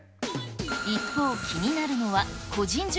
一方、気になるのは、個人情